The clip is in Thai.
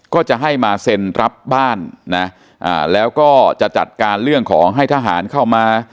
ก็จะให้มาเซ็นรับบ้านนะแล้วก็จะจัดการเรื่องของให้ทหารเข้ามา